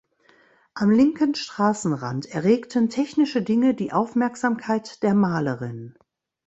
Am linken Straßenrand erregten technische Dinge die Aufmerksamkeit der Malerin.